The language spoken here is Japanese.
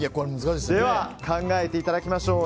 では考えていただきましょう。